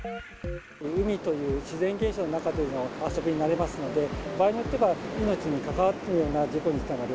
海という自然現象の中での遊びになりますので、場合によっては、命に関わるような事故につながる。